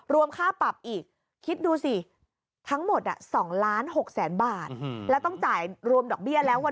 ค่าปรับอีกคิดดูสิทั้งหมด๒ล้าน๖แสนบาทแล้วต้องจ่ายรวมดอกเบี้ยแล้ววัน